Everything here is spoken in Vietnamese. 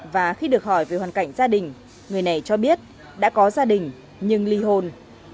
và khi được hỏi về hoàn cảnh gia đình người này cho biết đã có gia đình nhưng ly hôn